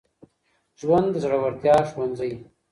ژوند د زړورتیا ښوونځی